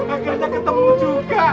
akhirnya ketemu juga